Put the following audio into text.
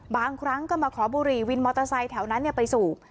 บางครั้งก็มาขอบุหรี่วินมอเตอร์ไซค์แถวนั้นไปสูบ